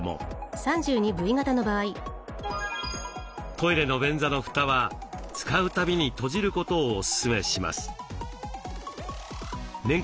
トイレの便座のフタは使うたびに閉じることをオススメします。